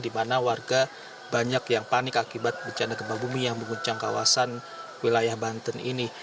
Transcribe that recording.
di mana warga banyak yang panik akibat bencana gempa bumi yang mengguncang kawasan wilayah banten ini